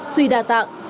suy đa tạng